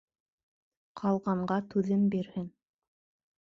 Ҡалғанға түҙем бирһен.